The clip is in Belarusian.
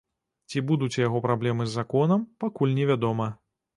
Ці будуць у яго праблемы з законам, пакуль невядома.